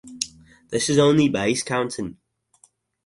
This is only base counting.